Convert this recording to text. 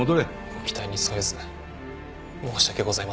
ご期待に沿えず申し訳ございません。